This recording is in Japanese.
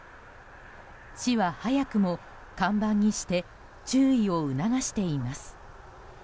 市は早くも看板にして注意を促しています。